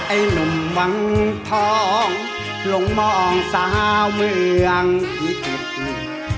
ไอ้หนุ่มวังทองลงมองสาวเมืองพี่จิตนา